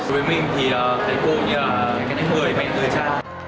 đối với mình thì thầy cô cũng như là người mẹ người cha